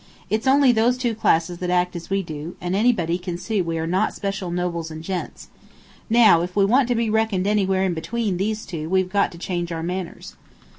It's only those two classes that act as we do, and anybody can see we are not special nobles and gents. Now, if we want to be reckoned anywhere in between these two we've got to change our manners."